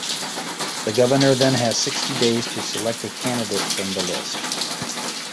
The governor then has sixty days to select a candidate from the list.